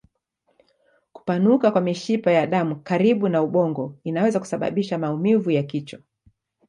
Kupanuka kwa mishipa ya damu karibu na ubongo inaweza kusababisha maumivu ya kichwa.